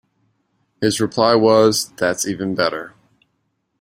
His reply was, That's even better!